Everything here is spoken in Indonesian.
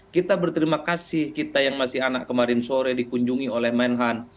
kita berterima kasih kita yang masih anak kemarin sore dikunjungi oleh menhan